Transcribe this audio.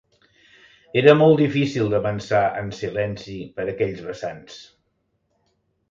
Era molt difícil d'avançar en silenci per aquells vessants